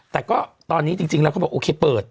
แต่ก็ตอนนี้จริงแล้วเขาบอกโอเคเปิด